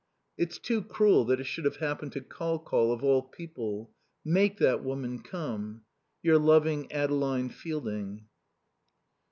It's too cruel that it should have happened to Col Col of all people. Make that woman come. Your loving Adeline Fielding.